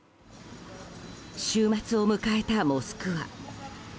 週末を迎えたモスクワ。